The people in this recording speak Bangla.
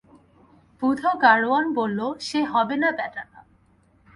বুধো গাড়োয়ান বলল-সে হবে না ব্যাটারা।